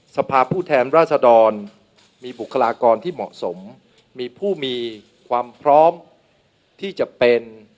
สภาพผู้แทนราษดรมีบุคลากรที่เหมาะสมมีผู้มีความพร้อมที่จะเป็น